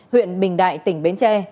huyện bình đại tỉnh bến tre